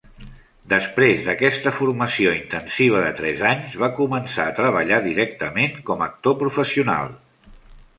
Després d"aquesta formació intensiva de tres anys, va començar a treballar directament com actor professional.